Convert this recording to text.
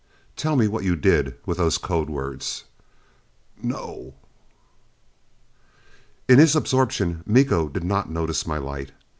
Tell me what you did with those code words!" "No!" In his absorption Miko did not notice my light.